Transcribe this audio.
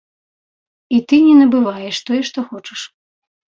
І ты не набываеш тое, што хочаш.